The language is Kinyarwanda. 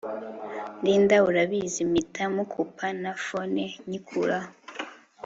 Linda urabizimpita mukupa na phone nyikuraho